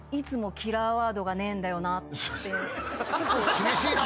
厳しいな。